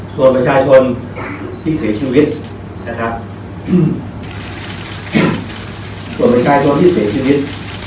ส่วนประชาชนที่เสียชีวิต